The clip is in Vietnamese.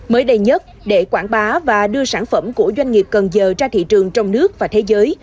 mới đây nhất để quảng bá và đưa sản phẩm của doanh nghiệp cần giờ ra thị trường trong nước và thế giới